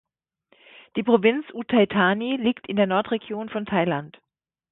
Die Provinz Uthai Thani liegt in der Nordregion von Thailand.